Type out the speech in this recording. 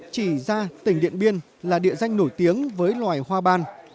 chỉ ra tỉnh điện biên là địa danh nổi tiếng với loài hoa ban